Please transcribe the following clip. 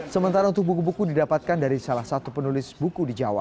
sementara untuk buku buku didapatkan dari salah satu penulis buku di jawa